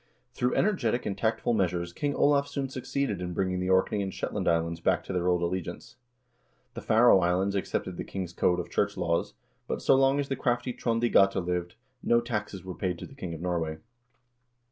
Through energetic and tactful measures King Olav soon succeeded in bringing the Orkney and Shetland Islands back to their old alle giance. The Faroe Islands accepted the king's code of church laws, but so long as the crafty Trond i Gata lived, no taxes were paid to the king of Norway.